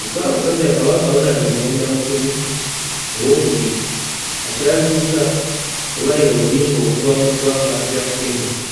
Ssaabasajja Kabaka Ronald Muwenda Mutebi II akyazizza Raila Odinga okuva mu ggwanga lya Kenya.